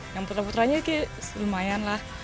yang putra putranya kayak lumayan lah